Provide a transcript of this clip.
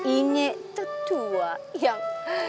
ini tetua yang